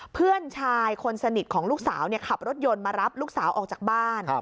เพื่อนชายคนสนิทของลูกสาวขับรถยนต์มารับลูกสาวออกจากบ้าน